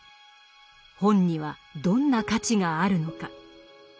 本にはどんな価値があるのか。